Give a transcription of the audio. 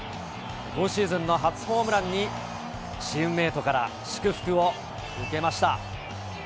今シーズンの初ホームランに、チームメートから祝福を受けました。